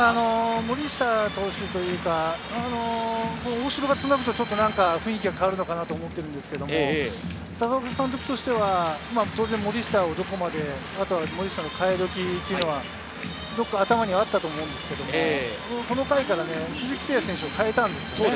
森下投手というか、大城がつなぐとなんか雰囲気が変わるのかなと思ってるんですけれど、佐々岡監督としては森下をどこまで、あとは森下の代え時、どこか頭にはあったと思うんですけれど、この回から鈴木聖弥選手を代えたんですね。